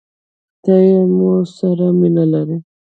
ته يې مو سره مينه لرې؟